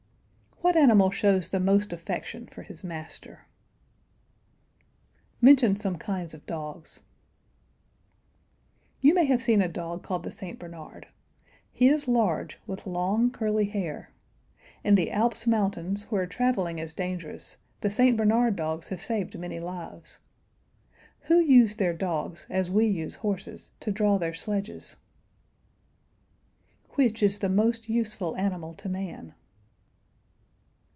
What animal shows the most affection for his master? Mention some kinds of dogs. You may have seen a dog called the St. Bernard. He is large, with long curly hair. In the Alps mountains, where traveling is dangerous, the St. Bernard dogs have saved many lives. Who use their dogs, as we use horses, to draw their sledges? Which is the most useful animal to man?